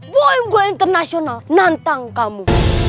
boeim gua internasional nantang kamu